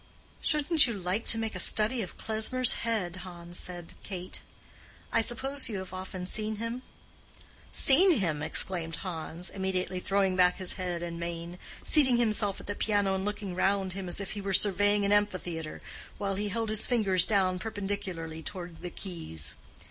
"Shouldn't you like to make a study of Klesmer's head, Hans?" said Kate. "I suppose you have often seen him?" "Seen him!" exclaimed Hans, immediately throwing back his head and mane, seating himself at the piano and looking round him as if he were surveying an amphitheatre, while he held his fingers down perpendicularly toward the keys.